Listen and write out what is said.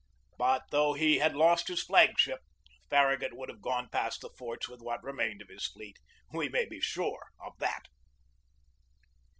But though he had lost his flag ship, Farragut would have gone past the forts with what remained of his fleet. We may be sure of that.